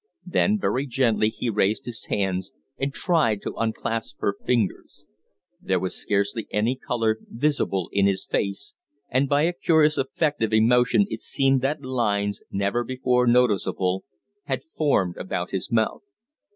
Then very gently he raised his hands and tried to unclasp her fingers. There was scarcely any color visible in his face, and by a curious effect of emotion it seemed that lines, never before noticeable, had formed about his mouth.